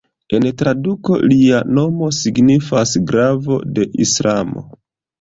En traduko lia nomo signifas "glavo de Islamo".